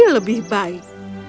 jadi dia lebih baik